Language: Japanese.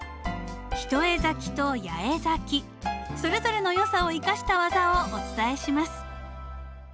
一重咲きと八重咲きそれぞれのよさを生かした技をお伝えします。